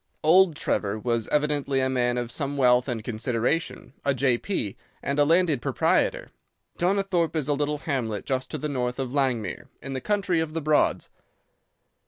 "Old Trevor was evidently a man of some wealth and consideration, a J.P. and a landed proprietor. Donnithorpe is a little hamlet just to the north of Langmere, in the country of the Broads.